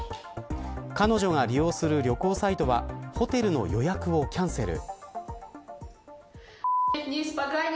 彼女が利用する旅行サイトはホテルの予約をキャンセル。